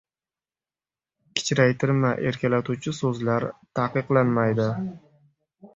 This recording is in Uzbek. Kichraytirma-erkalatuvchi so‘zlar ta’qiqlanmaydi